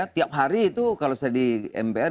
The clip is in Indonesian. tiap hari itu kalau saya di mpr